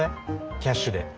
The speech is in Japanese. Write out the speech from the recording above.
キャッシュで。